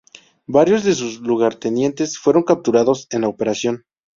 Varios de sus lugartenientes fueron capturados en la operación.